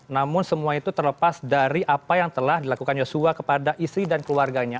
namun semua itu terlepas dari apa yang telah dilakukan joshua kepada istri dan keluarganya